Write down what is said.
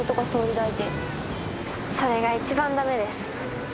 それが一番駄目です。